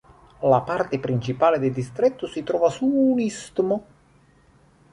La parte principale del Distretto si trova su di un istmo.